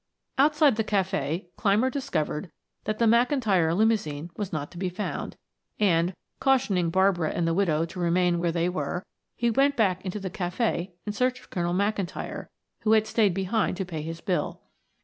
Outside the cafe Clymer discovered that the McIntyre limousine was not to be found, and, cautioning Barbara and the widow to remain where they were, he went back into the cafe in search of Colonel McIntyre, who had stayed behind to pay his bill.